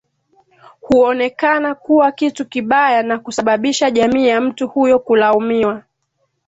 huonekana kuwa kitu kibaya na kusababisha jamii ya mtu huyo kulaumiwa